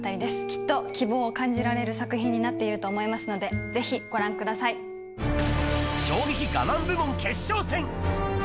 きっと希望を感じられる作品になっていると思いますので、ぜひ、衝撃ガマン部門決勝戦。